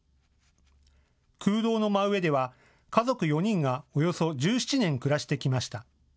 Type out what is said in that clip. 空洞の真上では家族４人がおよそ１７年、暮らしてきました。